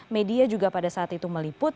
media juga pada saat itu meliput